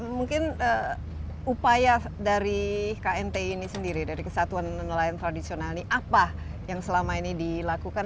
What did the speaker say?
mungkin upaya dari knti ini sendiri dari kesatuan nelayan tradisional ini apa yang selama ini dilakukan